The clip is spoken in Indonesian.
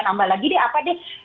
tambah lagi deh apa deh